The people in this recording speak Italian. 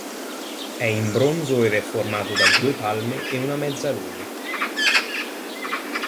È in bronzo ed è formato da due palme e una mezzaluna.